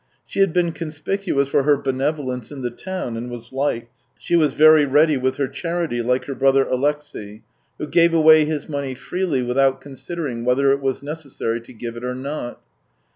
She had been conspicuous for her benevolence in the town, and was liked. She was very ready with her charity, like her brother Alexey, who gave away his money freely, without considering whether it was necessary to give it or not.